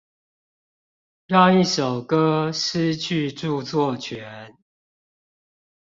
讓一首歌失去著作權